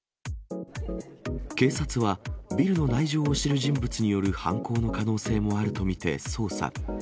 警察は、ビルの内情を知る人物による犯行の可能性もあると見て捜査。